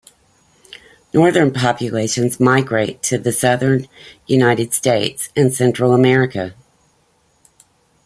Northern populations migrate to the southern United States and Central America.